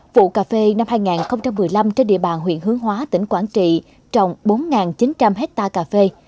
vụ cà phê năm hai nghìn một mươi năm trên địa bàn huyện hướng hóa tỉnh quảng trị trồng bốn chín trăm linh hectare cà phê